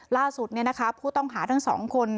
ล่าสุดเนี่ยนะคะผู้ต้องหาทั้ง๒คน